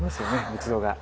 仏像が。